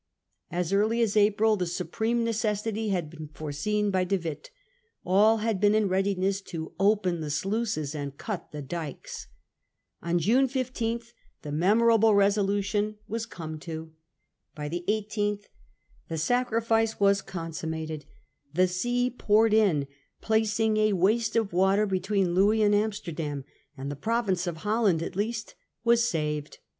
As early as April the supreme necessity had been foreseen by De Witt. . All had been in readiness to open the sluices theTluices; and cut the dykes. On June 15 the memor Amsterdam a ^ e res °l ut i° n was come to. By the 1 8th the 1672* " sacrifice was consummated. The sea poured June i . placing a waste of water between Louis and Amsterdam, and the province of Holland at least was saved.